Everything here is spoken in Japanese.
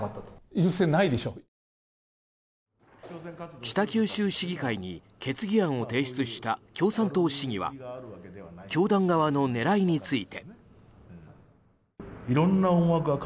北九州市に決議案を提出した共産党市議は教団側の狙いについて。